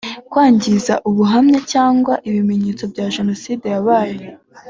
kwangiza ubuhamya cyangwa ibimenyetso bya jenoside yabaye